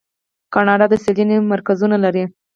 کاناډا د څیړنې مرکزونه لري.